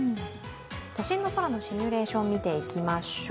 都心の空のシミュレーションを見ていきましょう。